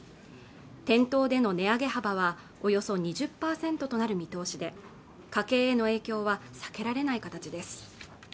店頭での値上げ幅はおよそ２０％となる見通しで家計への影響は避けられない形です